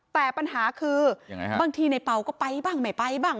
แต่ปัญหาคือยังไงฮะบางทีในเป่าก็ไปบ้างไม่ไปบ้าง